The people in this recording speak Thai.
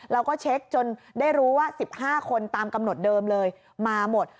แล้วก็เช็คจนได้รู้ว่า๑๕คนตามกำหนดเดิมเลยมาหมด